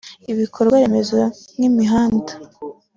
ibikorwaremezo nk’imihanda